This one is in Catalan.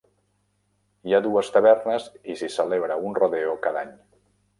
Hi ha dues tavernes i s'hi celebra un rodeo cada any.